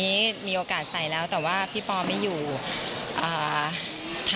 ปิมปอบ้อยังไห้เราใส่ด้วยค่ะ